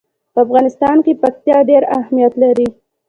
په افغانستان کې پکتیا ډېر اهمیت لري.